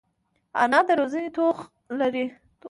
انا د روزنې توغ لري